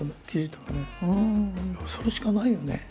それしかないよね。